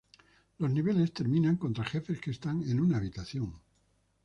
Los niveles terminan contra jefes que están en una habitación.